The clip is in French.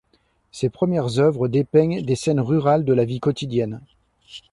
Ses premières œuvres dépeignent des scènes rurales de la vie quotidienne.